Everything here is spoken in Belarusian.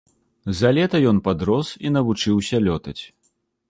За лета ён падрос і навучыўся лётаць.